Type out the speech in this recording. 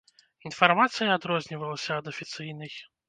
Інфармацыя адрознівалася ад афіцыйнай.